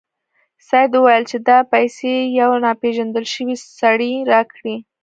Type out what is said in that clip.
سید وویل چې دا پیسې یو ناپيژندل شوي سړي راکړې.